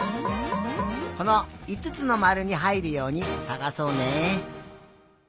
このいつつのまるにはいるようにさがそうね。